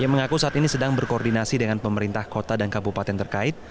ia mengaku saat ini sedang berkoordinasi dengan pemerintah kota dan kabupaten terkait